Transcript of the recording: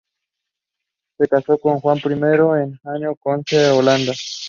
Se casó con Juan I de Henao, conde de Holanda.